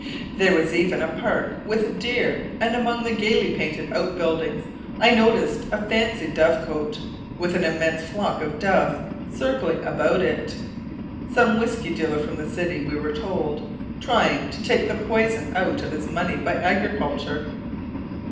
There was even a park with deer, and among the gayly painted outbuildings I noticed a fancy dovecote, with an immense flock of doves circling aboxe it; some whiskey dealer from the city, we were told, trying to take the poison out of his money by agriculture.